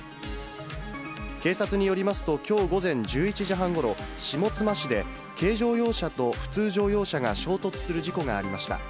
警察によりますと、きょう午前１１時半ごろ、下妻市で、軽乗用車と普通乗用車が衝突する事故がありました。